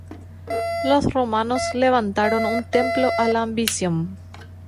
Los romanos levantaron un templo a la ambición.